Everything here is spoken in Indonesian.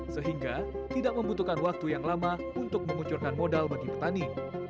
sehingga tidak membutuhkan waktu yang lama untuk mengucurkan modal bagi petani